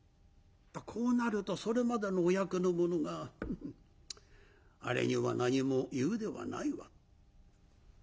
こうなるとそれまでのお役の者が「あれには何も言うではないわ」。